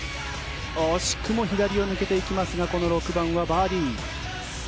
惜しくも左を抜けていきますがこの６番はバーディー。